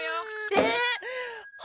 えっ！？